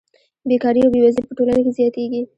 بېکاري او بېوزلي په ټولنه کې زیاتېږي